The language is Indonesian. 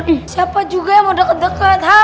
eh siapa juga yang mau deket deket